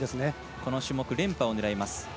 この種目連覇を狙います。